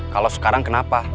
kalau sekarang kenapa